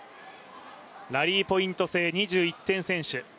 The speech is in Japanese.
ラリーポイント制２１点先取。